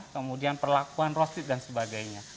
kemudian perlakuan roasted dan sebagainya